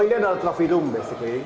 ini adalah trophy room basically